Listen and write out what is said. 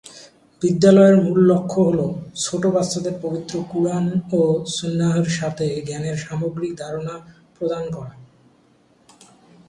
বিদ্যালয়ের মূল লক্ষ্য হল "ছোট বাচ্চাদের পবিত্র কুরআন ও সুন্নাহর সাথে জ্ঞানের সামগ্রিক ধারণা প্রদান করা"।